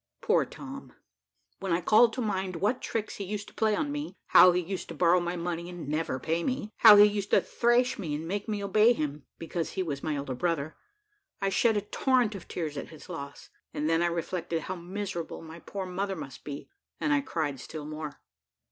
Poor Tom. When I called to mind what tricks he used to play me how he used to borrow my money and never pay me and how he used to thrash me and make me obey him, because he was my elder brother I shed a torrent of tears at his loss; and then I reflected how miserable my poor mother must be, and I cried still more.